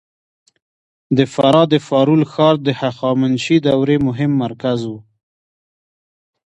د فراه د فارول ښار د هخامنشي دورې مهم مرکز و